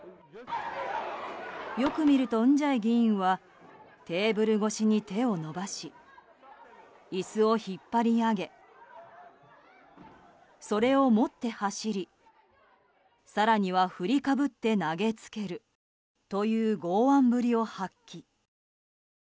よく見るとンジャエ議員はテーブル越しに手を伸ばし椅子を引っ張り上げそれを持って走り更には振りかぶって投げつけるという剛腕ぶりを発揮。